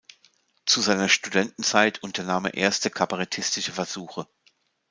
Zu seiner Studentenzeit unternahm er erste kabarettistische Versuche.